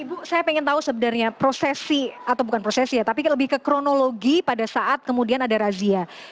ibu saya ingin tahu sebenarnya prosesi atau bukan prosesi ya tapi lebih ke kronologi pada saat kemudian ada razia